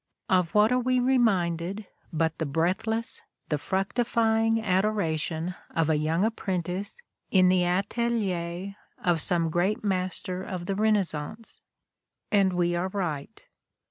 Of what are we reminded but the breathless, the fructifying adoration of a young ap prentice in the atelier of some great master of the Renaissance? And we are right.